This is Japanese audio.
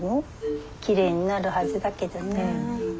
きれいになるはずだけどな。